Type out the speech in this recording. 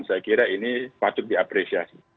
saya kira ini patut diapresiasi